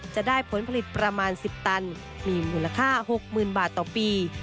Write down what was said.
จะได้ผลผลิตประมาณ๑๐ตันมีมูลค่า๖๐๐๐บาทต่อปี